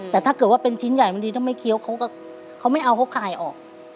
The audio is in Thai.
แต่ถ้าเกิดว่าเป็นชิ้นใหญ่มันดีถ้าไม่เคี้ยวเขาไม่เอาหกไข่ออก